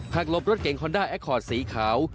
หลบรถเก่งคอนด้าแอคคอร์ดสีขาว